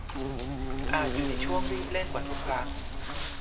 อาจอยู่ในช่วงรีบเร่งกว่าทุกครั้ง